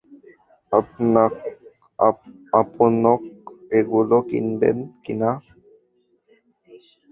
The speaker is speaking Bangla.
আপনক এগুলো কিনবেন কি না?